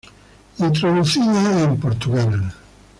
Introducida en Portugal.